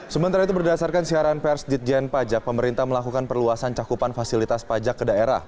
sementara itu berdasarkan siaran pers jitjen pajak pemerintah melakukan perluasan cakupan fasilitas pajak